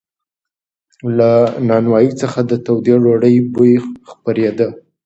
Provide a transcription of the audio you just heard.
له نانوایۍ څخه د تودې ډوډۍ بوی خپرېده.